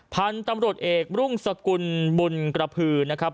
พันธุ์ตำรวจเอกรุ่งสกุลบุญกระพือนะครับ